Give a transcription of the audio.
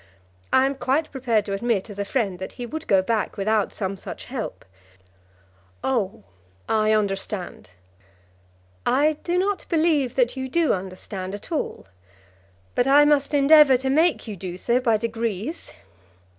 I am quite prepared to admit, as a friend, that he would go back without some such help." "Oh; I understand." "I do not believe that you do understand at all, but I must endeavour to make you do so by degrees.